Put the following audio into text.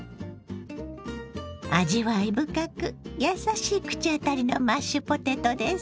味わい深く優しい口当たりのマッシュポテトです。